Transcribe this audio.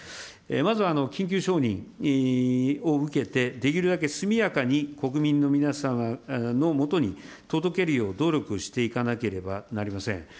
まず緊急承認を受けて、できるだけ速やかに国民の皆様のもとに届けるよう努力していかなければなりません。